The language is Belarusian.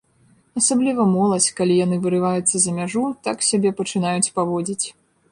Асабліва моладзь, калі яны вырываюцца за мяжу, так сябе пачынаюць паводзіць.